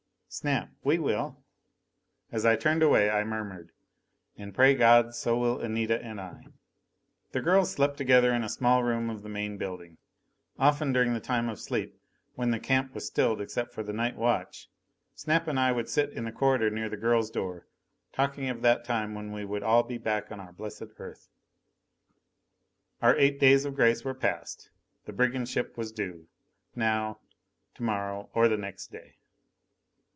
"Snap, we will!" As I turned away, I murmured, "And pray God, so will Anita and I." The girls slept together in a small room of the main building. Often during the time of sleep, when the camp was stilled except for the night watch, Snap and I would sit in the corridor near the girls' door, talking of that time when we would all be back on our blessed Earth. Our eight days of grace were passed. The brigand ship was due now, tomorrow, or the next day.